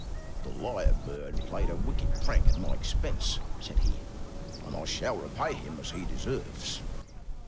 *'The lyre bird played a wicked prank at my ex pense,'* said he, ''and I shall repay him as he deserves.''